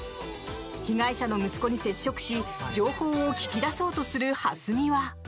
被害者の息子に接触し情報を聞き出そうとする蓮見は。